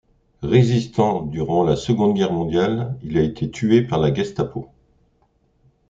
Résistant durant la Seconde Guerre mondiale, il a été tué par la Gestapo.